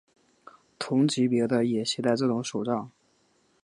同级别的也携带这种手杖。